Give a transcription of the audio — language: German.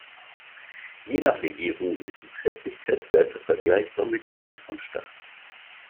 Je nach Legierung sind die Festigkeitswerte vergleichbar mit denen von Stahl.